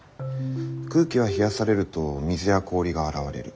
空気は冷やされると水や氷が現れる。